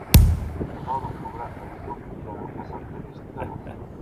El nou d'octubre en Lluc irà a Santa Cristina d'Aro.